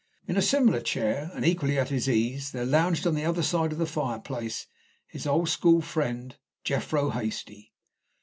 In a similar chair, and equally at his ease, there lounged on the other side of the fireplace his old school friend Jephro Hastie.